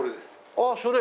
ああそれ。